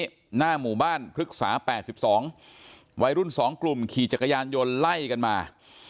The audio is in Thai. หน้าหมู่บ้านพฤกษา๘๒วัยรุ่น๒กลุ่มขี่จักรยานยนต์ไล่กันมา